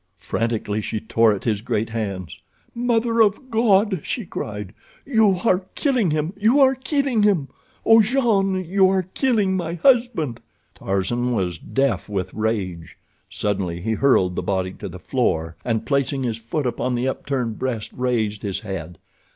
Frantically she tore at his great hands. "Mother of God!" she cried. "You are killing him, you are killing him! Oh, Jean, you are killing my husband!" Tarzan was deaf with rage. Suddenly he hurled the body to the floor, and, placing his foot upon the upturned breast, raised his head.